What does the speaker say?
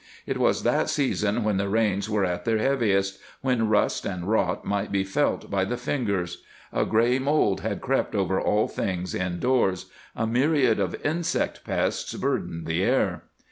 It was that season when the rains were at their heaviest, when rust and rot might be felt by the fingers. A gray mold had crept over all things indoors; a myriad of insect pests burdened the air.